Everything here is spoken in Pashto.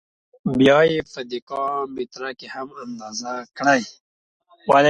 بیا یې په دېکا متره کې هم اندازه کړئ.